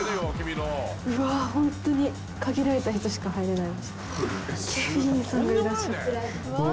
うわホントに限られた人しか入れない。